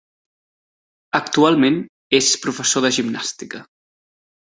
Actualment és professor de gimnàstica.